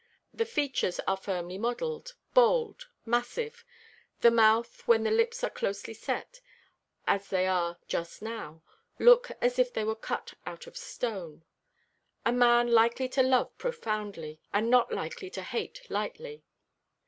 The features are firmly modelled, bold, massive; the mouth, when the lips are closely set, as they are just now, looks as if it were cut out of stone. A man likely to love profoundly, and not likely to hate lightly.